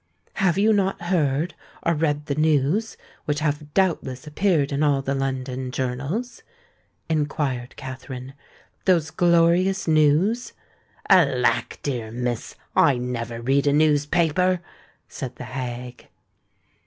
"Have you not heard or read the news which have doubtless appeared in all the London journals?" inquired Katherine;—"those glorious news——" "Alack! dear Miss—I never read a newspaper," said the hag.